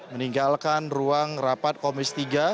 meninggalkan ruang rapat komisi tiga